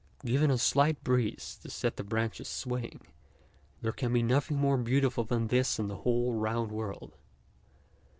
Given TRAITORS OF ART 89 a slight breeze to set the branches swaying, there can be nothing more beautiful than this in the whole round world.